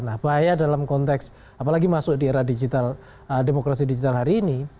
nah bahaya dalam konteks apalagi masuk di era digital demokrasi digital hari ini